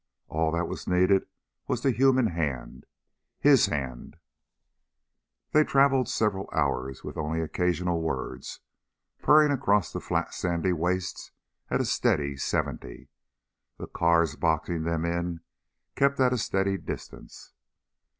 All that was needed was the human hand. His hand. They traveled several hours with only occasional words, purring across the flat sandy wastes at a steady seventy. The cars boxing them in kept at a steady distance.